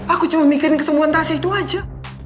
aku cuma mikirin kesembuhan tasha itu aja